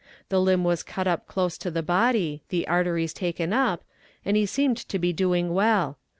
The limb was cut up close to the body, the arteries taken up, and he seemed to be doing well.